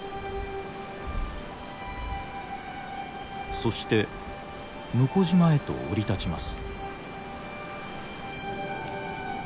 そして聟島へと降り立ちます。